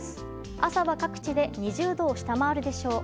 朝は各地で２０度を下回るでしょう。